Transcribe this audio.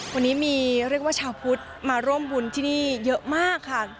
วันนี้มีเรียกว่าชาวพุทธมาร่วมบุญที่นี่เยอะมากค่ะ